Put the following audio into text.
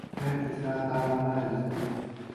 Erg está atado a una de las cruces.